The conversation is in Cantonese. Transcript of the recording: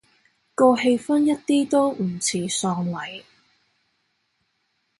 個氣氛一啲都唔似喪禮